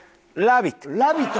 『ラヴィット！』。